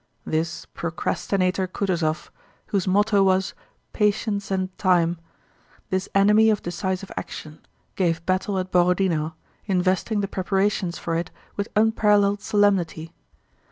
This procrastinator Kutúzov, whose motto was "Patience and Time," this enemy of decisive action, gave battle at Borodinó, investing the preparations for it with unparalleled solemnity.